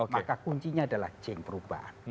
maka kuncinya adalah geng perubahan